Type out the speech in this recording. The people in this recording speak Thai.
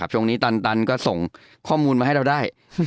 ช่วงนี้ตันก็ส่งข้อมูลมาให้เราได้